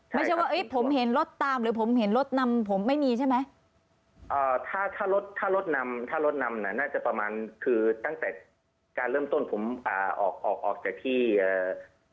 ไม่ใช่ว่าเอ้ยผมเห็นรถตามหรือผมเห็นรถนำผมไม่มีใช่ไหมอ่าถ้าถ้ารถถ้ารถนำถ้ารถนำน่ะน่าจะประมาณคือตั้งแต่การเริ่มต้นผมอ่าออกออกออกจากที่เอ่อ